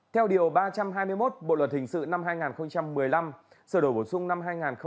theo điều ba trăm hai mươi một bộ luật hình sự năm hai nghìn một mươi năm sở đổi bổ sung năm hai nghìn một mươi bảy